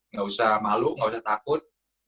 nggak usah malu nggak usah takut